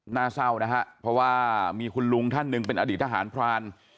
หน้าเศร้านะฮะเพราะว่ามีคุณลุงท่านหนึ่งเป็นอดีตทหารพราน